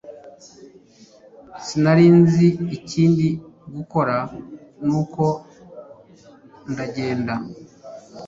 Sinari nzi ikindi gukora nuko ndagenda